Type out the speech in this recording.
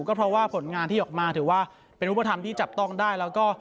ก็เพราะว่าผลงานที่ออกมาถือว่าเป็นรูปธรรมที่จับต้องได้แล้วก็